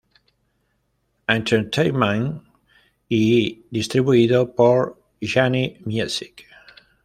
Entertainment y distribuido por Genie Music.